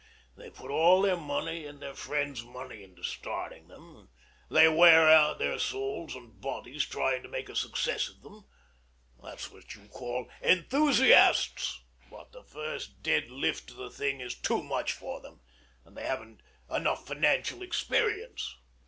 They put all their money and their friends' money into starting them. They wear out their souls and bodies trying to make a success of them. They're what you call enthusiasts. But the first dead lift of the thing is too much for them; and they haven't enough financial experience.